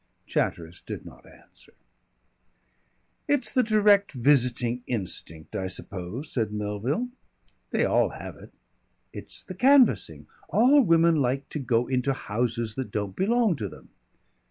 Chatteris did not answer. "It's the district visiting instinct, I suppose," said Melville. "They all have it. It's the canvassing. All women like to go into houses that don't belong to them."